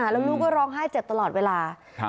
แล้วลูกก็ร้องไห้เจ็บตลอดเวลา